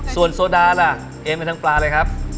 ส่วนโซดาล่ะเอ็นไปทั้งปลาเลยครับ